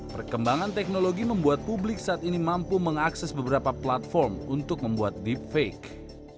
perkembangan teknologi membuat publik saat ini mampu mengakses beberapa platform untuk membuat deep fake